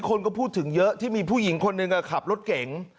คนก็พูดถึงเยอะที่มีผู้หญิงคนหนึ่งขับรถเก๋ง